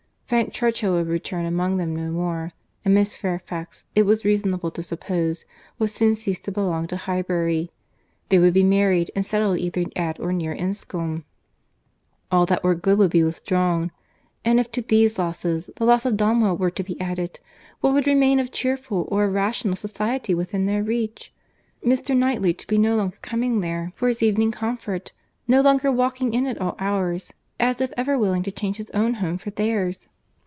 —Frank Churchill would return among them no more; and Miss Fairfax, it was reasonable to suppose, would soon cease to belong to Highbury. They would be married, and settled either at or near Enscombe. All that were good would be withdrawn; and if to these losses, the loss of Donwell were to be added, what would remain of cheerful or of rational society within their reach? Mr. Knightley to be no longer coming there for his evening comfort!—No longer walking in at all hours, as if ever willing to change his own home for their's!